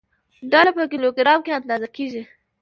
ډله په کیلوګرام کې اندازه کېږي.